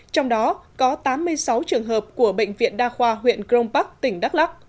trong đó có tám mươi sáu trường hợp của bệnh viện đa khoa huyện grom park tỉnh đắk lắk